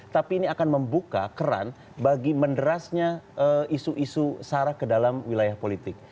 tapi ini akan membuka keran bagi menderasnya isu isu sarah ke dalam wilayah politik